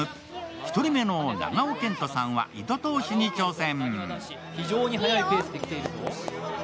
１人目の長尾謙杜さんは糸通しに挑戦。